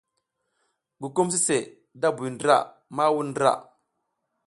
Gukum sise da buy ndra ma wuɗ ndra.